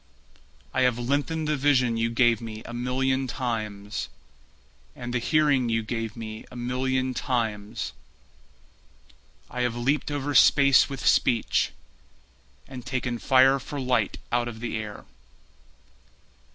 I have lengthened the vision you gave me a million times, And the hearing you gave me a million times, I have leaped over space with speech, And taken fire for light out of the air.